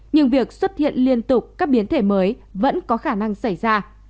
nhưng việc xuất hiện liên tục các biến thể mới vẫn có khả năng xảy ra